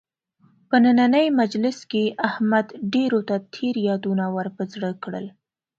په نننۍ مجلس کې احمد ډېرو ته تېر یادونه ور په زړه کړل.